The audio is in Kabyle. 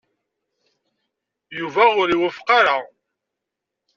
Yuba ur iwufeq ara.